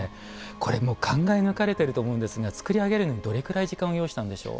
これも考え抜かれていると思うんですが作り上げるのにどれぐらい時間を要したのでしょう。